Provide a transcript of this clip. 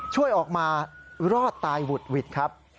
ช่วยออกมารอดตายหุดหวิดครับ